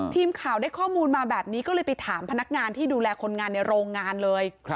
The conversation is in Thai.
ทีมข่าวได้ข้อมูลมาแบบนี้ก็เลยไปถามพนักงานที่ดูแลคนงานในโรงงานเลย